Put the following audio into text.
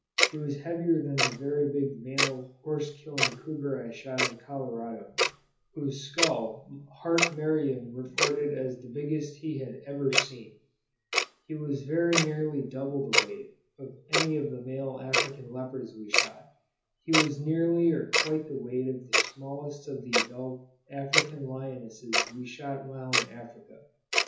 He was heavier than the very big male horse killing cougar I shot in Colorado, whose skull Hart Merriam reported as the biggest he had ever seen; he was very nearly double the weight of any of the male African leopards we shot; he was nearly or quite the weight of the smallest of the adult African lionesses we shot while in Africa.